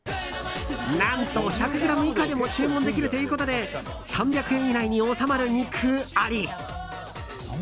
何と、１００ｇ以下でも注文できるということで３００円以内に収まる肉あり！